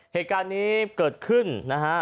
เหตุการณ์นี้เกิดขึ้นนะฮะ